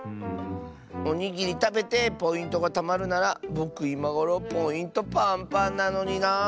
おにぎりたべてポイントがたまるならぼくいまごろポイントパンパンなのにな。